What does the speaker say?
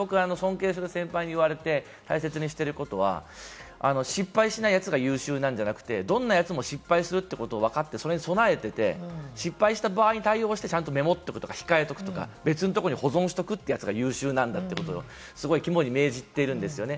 昔、尊敬する先輩に言われて大切にしていることは、失敗しないやつが優秀なんじゃなくて、どんなやつも失敗するってことをわかって、それに備えてて、失敗した場合に対応してちゃんとメモっておくとか控えとくとか、別のところに保存しておくやつが優秀なんだってことを肝に銘じてるんですよね。